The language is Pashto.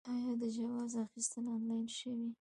آیا د جواز اخیستل آنلاین شوي؟